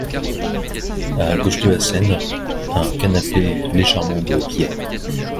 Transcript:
À gauche de la scène, un canapé légèrement de biais.